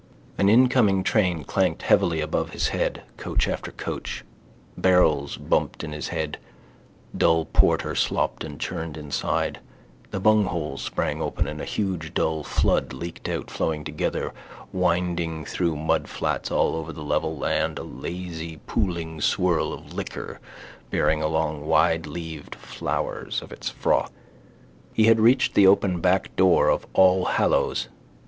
An incoming train clanked heavily above his head, coach after coach. Barrels bumped in his head: dull porter slopped and churned inside. The bungholes sprang open and a huge dull flood leaked out, flowing together, winding through mudflats all over the level land, a lazy pooling swirl of liquor bearing along wideleaved flowers of its froth. He had reached the open backdoor of All Hallows.